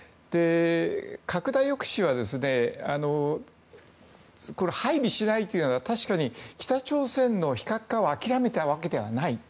拡大抑止は配備しないというのは確かに北朝鮮の非核化を諦めたわけではない。